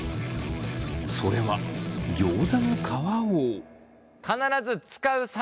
それはギョーザの皮を。